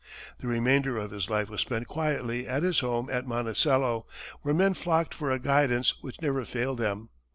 The remainder of his life was spent quietly at his home at Monticello, where men flocked for a guidance which never failed them.